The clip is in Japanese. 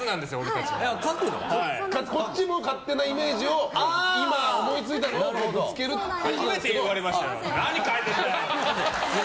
こっちも勝手なイメージを今、思いついたことをぶつけるっていう。